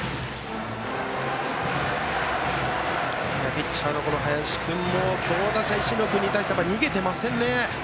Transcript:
ピッチャーの林君も強打者・石野君に対して逃げていませんね。